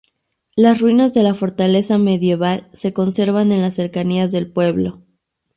Las ruinas de la fortaleza medieval se conservan en las cercanías del pueblo.